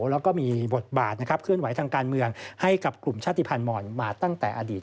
แล้วก็มีบทบาทนะครับเคลื่อนไหวทางการเมืองให้กับกลุ่มชาติภัณฑ์มอนมาตั้งแต่อดีต